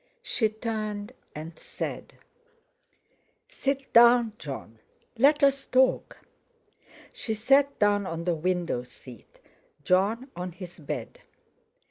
She turned and said: "Sit down, Jon; let's talk." She sat down on the window seat, Jon on his bed.